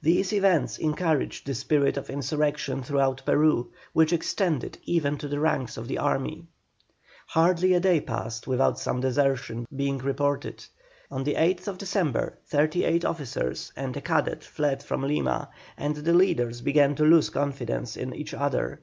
These events encouraged the spirit of insurrection throughout Peru, which extended even into the ranks of the army. Hardly a day passed without some desertions being reported. On the 8th December thirty eight officers and a cadet fled from Lima, and the leaders began to lose confidence in each other.